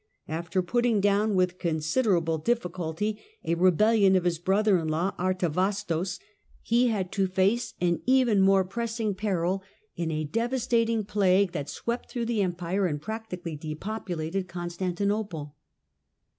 After pitt ing down, with considerable difficulty, a rebellion of his >rother in law Artavasdos, he had to face an even more >ressing peril in a devastating plague that swept through he Empire and practically depopulated Constantinople.